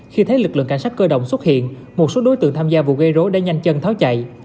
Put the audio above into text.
khi thấy lực lượng cảnh sát cơ động xuất hiện một số đối tượng tham gia vụ gây rối đã nhanh chân tháo chạy